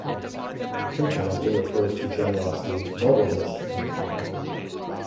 Sometimes it refers to generosity, nobleness and honor.